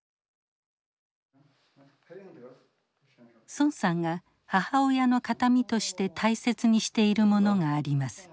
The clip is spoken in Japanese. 孫さんが母親の形見として大切にしているものがあります。